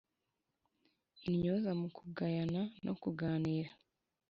Intyoza mu kugayana no kuganira